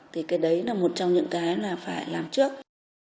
thì cái đấy là một trong những cái là phải làm trước